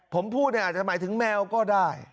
ผมพูดเนี่ยอาจจะหมายถึงแมวก็ได้